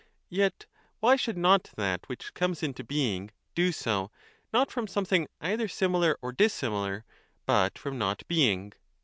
Yet why should not that which comes into being do so not from something either similar or dissimilar, but from Not being